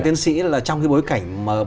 thưa sĩ là trong cái bối cảnh